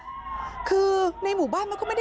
หมาก็เห่าตลอดคืนเลยเหมือนมีผีจริง